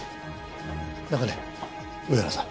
中根上原さん